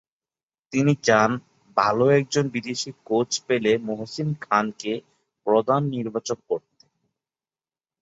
তিনি চান, ভালো একজন বিদেশি কোচ পেলে মহসিন খানকে প্রধান নির্বাচক করতে।